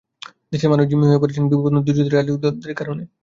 দেশের মানুষ জিম্মি হয়ে পড়েছেন বিবদমান দুই জোটের রাজনৈতিক দ্বন্দ্বের কারণে।